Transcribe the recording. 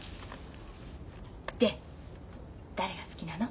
で誰が好きなの？